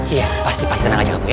iya pasti pasti tenang aja kamu ya